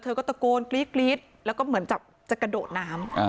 เธอก็ตะโกนกรีดแล้วก็เหมือนจะโดดน้ำ